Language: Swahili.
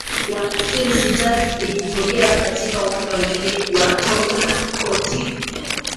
walasim sitas ikitokea katika uwanja wa ndege wa tonkotin